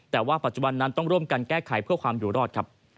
แต่ว่าปัจจุบันนั้นต้องร่วมกันแก้ไขเพื่อความอยู่รอดครับ